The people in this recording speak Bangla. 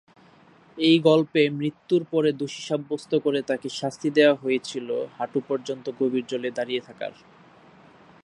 এই গল্পে, মৃত্যুর পরে, দোষী সাব্যস্ত করে তাঁকে শাস্তি দেওয়া হয়েছিল হাঁটু পর্যন্ত গভীর জলে দাঁড়িয়ে থাকার।